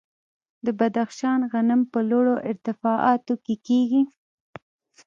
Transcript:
د بدخشان غنم په لوړو ارتفاعاتو کې کیږي.